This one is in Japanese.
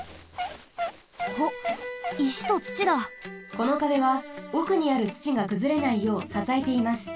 このかべはおくにあるつちがくずれないようささえています。